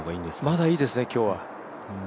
まだいいですね、今日は。